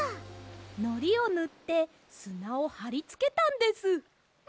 のりをぬってすなをはりつけたんです。